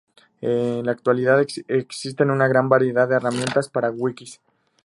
En la actualidad, existe una gran variedad de herramientas para wikis.